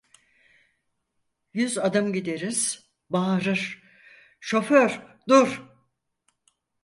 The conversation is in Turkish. Yüz adım gideriz, bağırır: "Şoför dur!"